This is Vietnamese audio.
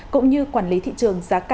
cũng như quản lý thị trường giá cả hàng hóa